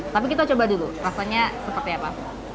tapi kita coba dulu rasanya seperti apa